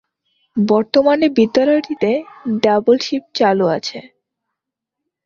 বর্তমানে বিদ্যালয়টিতে double shift চালু আছে।